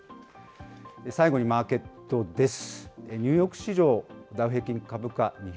最後にマーケットです。